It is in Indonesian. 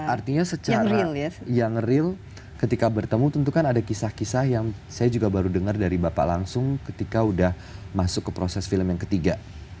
artinya secara yang real ketika bertemu tentu kan ada kisah kisah yang saya juga baru dengar dari bapak langsung ketika udah masuk ke proses film yang ketiga